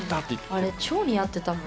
あれ超似合ってたもんね。